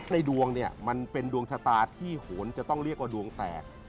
ดวงเนี่ยมันเป็นดวงชะตาที่โหนจะต้องเรียกว่าดวงแตก